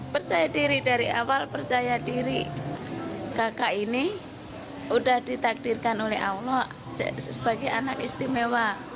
percaya diri dari awal percaya diri kakak ini sudah ditakdirkan oleh allah sebagai anak istimewa